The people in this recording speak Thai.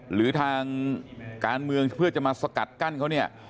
หรือทางการเมืองเพื่อจะมาสกัดกั้นเขาเนี่ย